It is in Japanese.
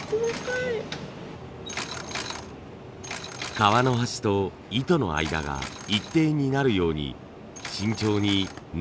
革の端と糸の間が一定になるように慎重に縫い進めます。